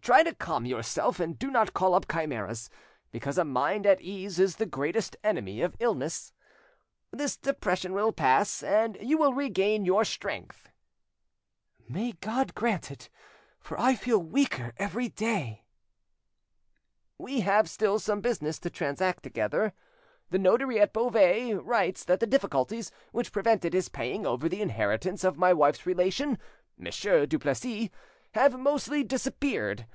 Try to calm yourself, and do not call up chimeras; because a mind at ease is the greatest enemy of illness. This depression will pass, and then you will regain your strength." "May God grant it! for I feel weaker every day." "We have still some business to transact together. The notary at Beauvais writes that the difficulties which prevented his paying over the inheritance of my wife's relation, Monsieur Duplessis, have mostly disappeared.